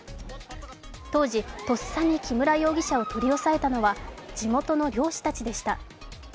当時とっさに木村容疑者を取り押さえたのは地元の漁師たちでした。